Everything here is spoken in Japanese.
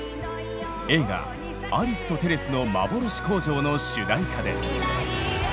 映画「アリスとテレスのまぼろし工場」の主題歌です。